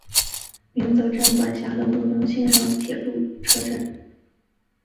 鸣泽站管辖的五能线上的铁路车站。